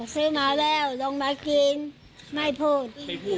ซื้อมาแล้วลงมากินไม่พูด